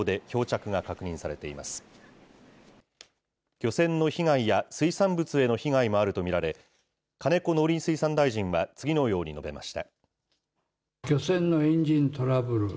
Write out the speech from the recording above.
漁船の被害や水産物への被害もあると見られ、金子農林水産大臣は次のように述べました。